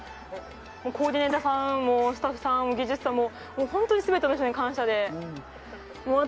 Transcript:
コーディネーターさんもスタッフさんも感謝で本当に全ての人に感謝で私